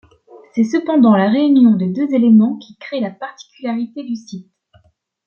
C’est cependant la réunion des deux éléments qui crée la particularité du site.